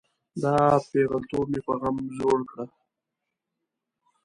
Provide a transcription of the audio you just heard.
دا پیغلتوب مې په غم زوړ کړه.